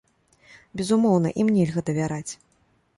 Безумоўна, ім нельга давяраць.